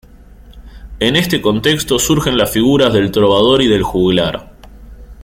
En este contexto surgen las figuras del trovador y del juglar.